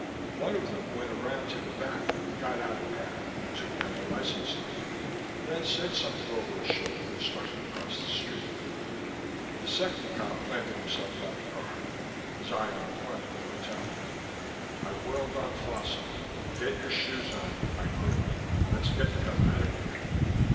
One of them went around to the back and got out a pad and took down the license number, then said something over his shoulder and started across the street. The second cop planted himself by the car, his eye on the front of the hotel. I whirled on Foster. "Get your shoes on," I croked. "Let's get the hell out of here."